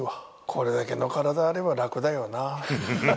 これだけの体あれば楽だよな。